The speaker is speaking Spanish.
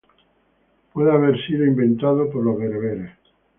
Puede haber sido inventado por los bereberes.